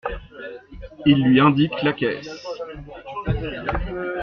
Il lui indique la caisse.